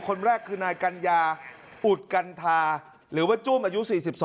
คนแรกคือนายกัญญาอุดกัณฑาหรือว่าจุ้มอายุ๔๒